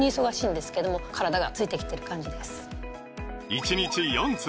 １日４粒！